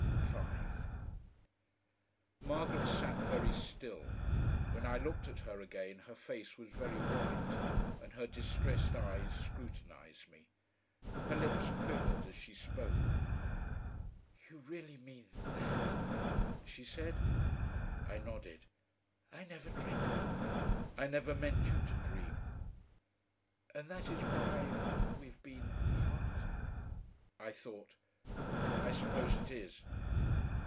5 Margaret sat very still. When I looked at her again, her face was very white, and her distressed eyes scrutinised me. Her lips quivered as she spoke. "You really mean THAT?" she said. I nodded. "I never dreamt." "I never meant you to dream." "And that is why we've been apart?" I thought. "I suppose it is."